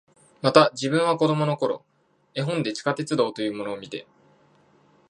また、自分は子供の頃、絵本で地下鉄道というものを見て、